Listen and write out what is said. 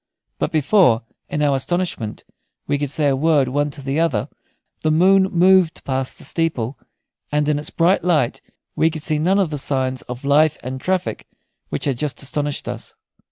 But before, in our astonishment, we could say a word one to the other, the moon moved past the steeple, and in its bright light we could see none of the signs of life and traffic which had just astonished us.